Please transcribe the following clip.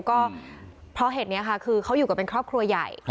ก็เพราะเหตุนี้ค่ะคือเขาอยู่กับเป็นครอบครัวใหญ่